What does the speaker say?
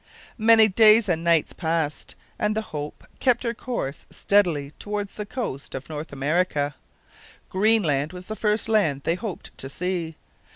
Many days and nights passed, and the Hope kept her course steadily toward the coast of North America. Greenland was the first land they hoped to see.